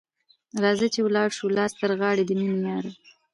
راځه چي ولاړ سو لاس تر غاړه ، د میني یاره